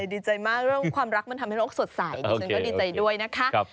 ดีใจมากเรื่องความรักมันทำให้โรคสดใสดิฉันก็ดีใจด้วยนะคะ